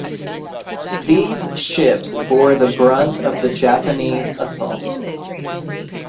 These ships bore the brunt of the Japanese assault.